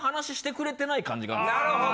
なるほど。